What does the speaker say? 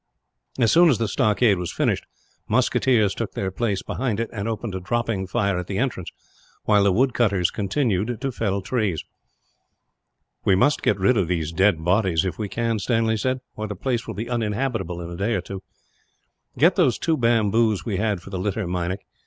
As soon as the stockade was finished, musketeers took their place behind it and opened a dropping fire at the entrance, while the woodcutters continued to fell trees. "We must get rid of these dead bodies, if we can," Stanley said, "or the place will be uninhabitable, in a day or two. "Get those two bamboos we had for the litter, Meinik.